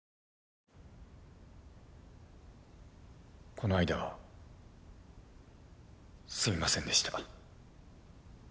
この間はすみませんでした。